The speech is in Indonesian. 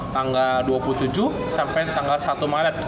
tanggal dua puluh tujuh sampai tanggal satu maret